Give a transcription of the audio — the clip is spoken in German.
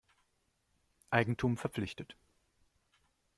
Eigentum verpflichtet.